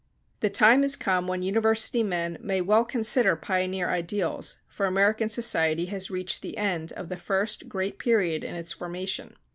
The time has come when University men may well consider pioneer ideals, for American society has reached the end of the first great period in its formation.